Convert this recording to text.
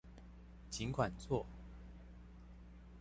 儘管做